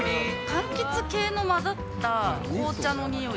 かんきつ系の混ざった紅茶の匂い。